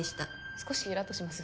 少しイラッとします